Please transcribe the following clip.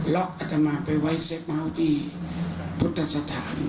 ล๊อคอาธิมาท์ไปไว้เซ็กเมาท์ที่พุทธศาสตร์ฐาน